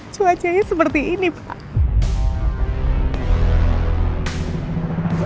cuacanya seperti ini pak